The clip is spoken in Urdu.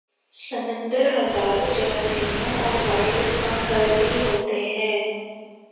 سمندر ہزاروں جراثیموں اور وائرس کا گھر بھی ہوتے ہیں